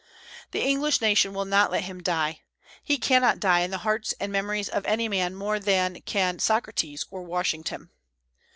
The English nation will not let him die; he cannot die in the hearts and memories of man any more than can Socrates or Washington.